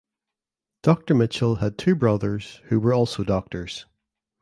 Dr Mitchell had two brothers who were also doctors.